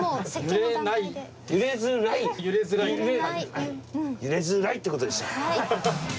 揺れづらいってことでした。